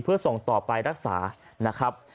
เพื่อส่งต่อไปรักษานะครับ